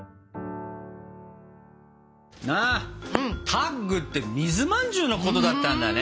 タッグって水まんじゅうのことだったんだね。